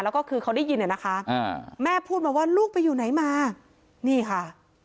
แล้วก็คือเขาได้ยินเนี่ยนะคะแม่พูดมาว่าลูกไปอยู่ไหนมานี่ค่ะ